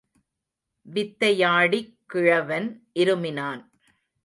வித்தையாடிக் கிழவன் இருமினான்.